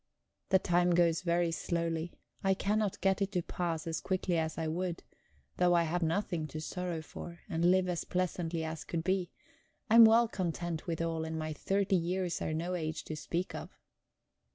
The time goes very slowly; I cannot get it to pass as quickly as I would, though I have nothing to sorrow for, and live as pleasantly as could be. I am well content withal, and my thirty years are no age to speak of.